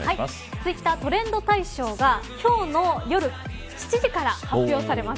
ツイッタートレンド大賞が今日の夜７時から発表されます。